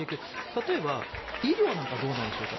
例えば医療なんかどうなんでしょうか